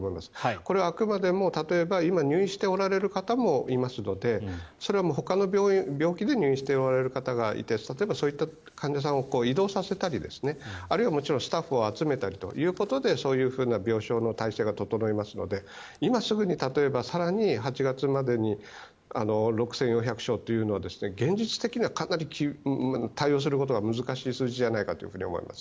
これはあくまでも例えば今入院されている方もいますのでそれはほかの病気で入院しておられる方がいて例えば、そういった患者さんを移動させたりあるいは、もちろんスタッフを集めたりということでそういうふうな病床の体制が整いますので今すぐに例えば更に８月までに６４００床というのは現実的にはかなり対応することが難しい数字じゃないかと思われます。